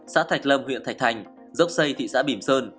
xã thạch lâm huyện thạch thành dốc xây thị xã bìm sơn